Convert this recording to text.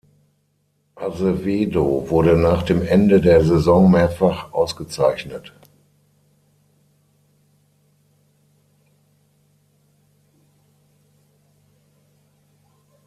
Azevedo wurde nach dem Ende der Saison mehrfach ausgezeichnet.